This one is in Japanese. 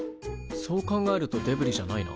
そう考えるとデブリじゃないな。